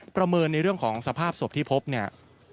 ประเมินในเรื่องของสภาพศพที่พบเนี่ย